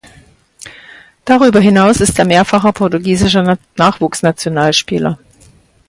Darüber hinaus ist er mehrfacher portugiesischer Nachwuchsnationalspieler.